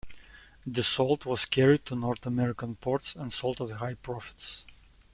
This salt was carried to North American ports and sold at high profits.